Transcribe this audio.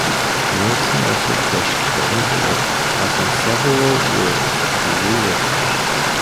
Neilson also pushed the envelope causing several rules to be rewritten.